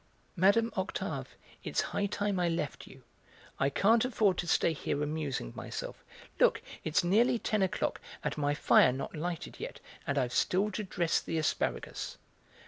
Mme. Octave, it's high time I left you; I can't afford to stay here amusing myself; look, it's nearly ten o'clock and my fire not lighted yet, and I've still to dress the asparagus."